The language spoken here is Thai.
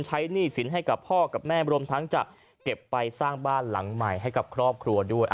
หนี้สินให้กับพ่อกับแม่รวมทั้งจะเก็บไปสร้างบ้านหลังใหม่ให้กับครอบครัวด้วย